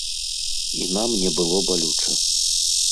І нам не было балюча.